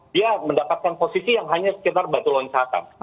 dia mendapatkan posisi yang hanya sekitar batu loncatan